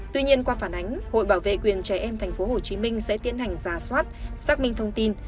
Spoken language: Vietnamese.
tuy nhiên qua phản ánh hội bảo vệ quyền trẻ em tp hcm sẽ tiến hành giả soát xác minh thông tin